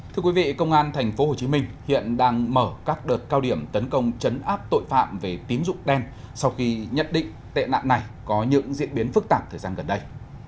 thưa quý vị công an tp hcm hiện đang mở các đợt cao điểm tấn công chấn áp tội phạm về tín dụng đen sau khi nhận định tệ nạn này có những diễn biến phức tạp thời gian gần đây